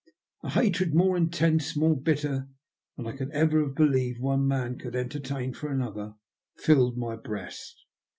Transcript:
A hatred more intense, more bitter, than I could ever have believed one man could enter tain for another, filled my breast.